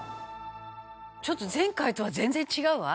ちょっと前回とは全然違うわ。